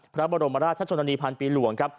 พระบรมราชชนนรีพันปีหลวง